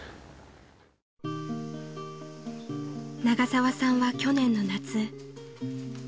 ［永沢さんは去年の夏］